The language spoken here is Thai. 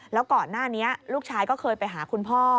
แล้วก่อนหน้านี้ลูกชายก็เคยไปหาคุณพ่อ